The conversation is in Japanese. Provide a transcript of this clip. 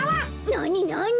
なになに？